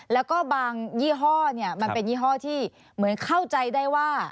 แล้วก็บางยี่ห้อเนี่ยมันเป็นยี่ห้อที่เหมือนเข้าใจได้ว่า